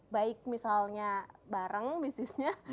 baik misalnya bareng bisnisnya